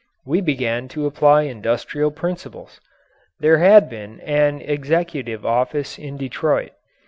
We began to apply industrial principles. There had been an executive office in Detroit.